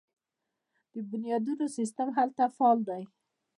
د بنیادونو سیستم هلته فعال دی.